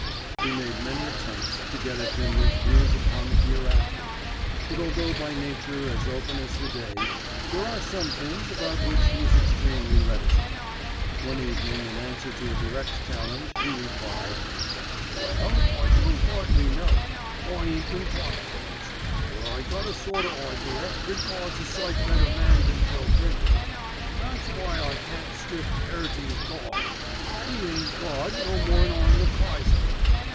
We made many attempts to get at Bindle's views upon the Hereafter: but although by nature as open as the day, there are some things about which he is extremely reticent. One evening in answer to a direct challenge he replied, "Well, I don't rightly know, I ain't been taught things; but I got a sort of idea that Gawd's a sight better man than Joe Bindle, an' that's why I can't stick 'Earty's Gawd. 'E ain't Gawd no more'n I'm the Kayser."